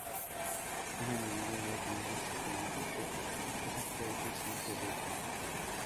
Una medida de riesgo sistemático es el coeficiente beta.